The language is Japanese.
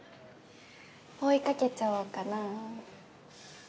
追いかけちゃおうかな？